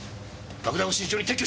爆弾を慎重に撤去しろ！